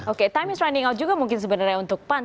oke times running out juga mungkin sebenarnya untuk pan